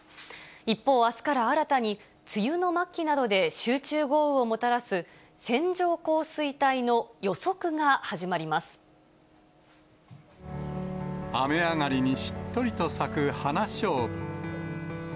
一方、あすから新たに、梅雨の末期などで集中豪雨をもたらす線状雨上がりにしっとりと咲く花しょうぶ。